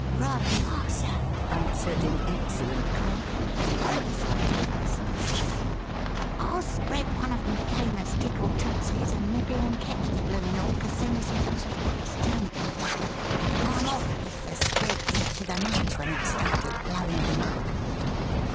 "Right you are, sir," answered in excellent Cockney the undersized person addressed. "I'll spread one of me famous 'Tickle Tootsies' and nip in and ketch the bloomin' 'awk as soon as the josser's back is turned, guv'ner. I'm off, as the squib said to the match when it started blowin' of him up."